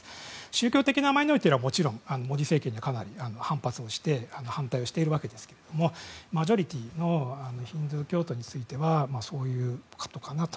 宗教的なマイノリティーはモディ政権に反発をして反対しているわけですけれどもマジョリティーのヒンドゥー教徒についてはそういう感じかなと。